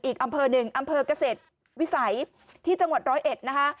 อีกอำเภอหนึ่งอำเภอกเกษตรวิสัยที่จังหวัดร้อยเอ็ดนะคะ